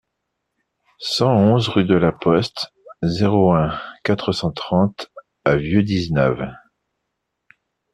cent onze rue de la Poste, zéro un, quatre cent trente à Vieu-d'Izenave